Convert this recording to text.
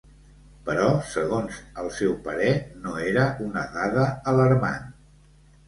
Però segons el seu parer no era una dada alarmant.